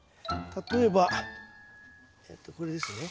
例えばえっとこれですね。